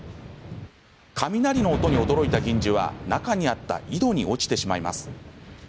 雷の音に驚いた銀次は中にあった井戸に落ちてしまいます。